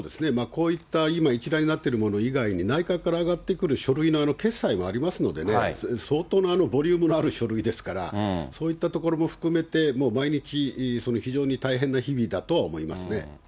こういった、今、一覧になっているもの以外にも内閣から上がってくる書類の決裁もありますのでね、相当なボリュームのある書類ですから、そういったところも含めて、もう毎日、非常に大変な日々だとは思いますね。